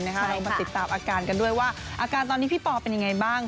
เรามาติดตามอาการกันด้วยว่าอาการตอนนี้พี่ปอเป็นยังไงบ้าง